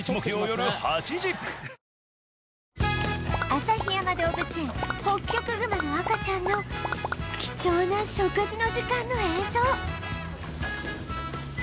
旭山動物園ホッキョクグマの赤ちゃんの貴重な食事の時間の映像